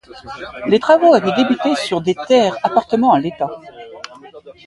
Les travaux avaient débuté sur des terres appartenant à l'état.